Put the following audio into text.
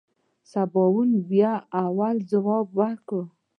سباوون بيا اول ځواب ورکړ.